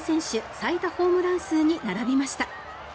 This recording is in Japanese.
最多ホームラン数に並びました。